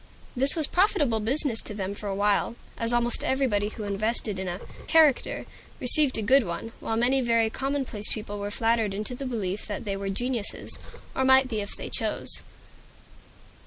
This was profitable business to them for a while, as almost everybody who invested in a "character" received a good one; while many very commonplace people were flattered into the belief that they were geniuses, or might be if they chose.